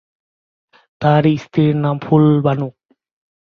তার স্ত্রীর নাম ফুল বানু।